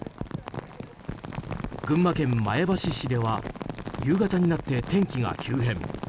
群馬県前橋市では夕方になって天気が急変。